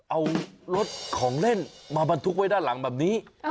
เอารถของเล่นมาบรรทุกไว้ด้านหลังแบบนี้